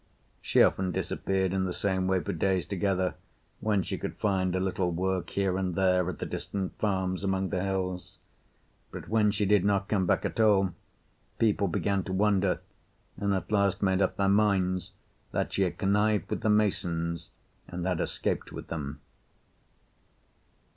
She often disappeared in the same way for days together, when she could find a little work here and there at the distant farms among the hills. But when she did not come back at all, people began to wonder, and at last made up their minds that she had connived with the masons and had escaped with them.